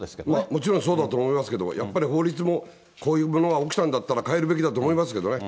もちろんそうだと思いますけども、やっぱり法律も、こういうものが起きたんだったら変えるべきだと思いますけどね。